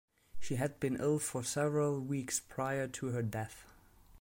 She had been ill for several weeks prior to her death.